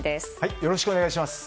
よろしくお願いします。